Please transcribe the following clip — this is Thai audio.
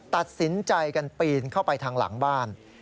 ตัดสินใจกันปีนเข้าไปทางหลังบ้าน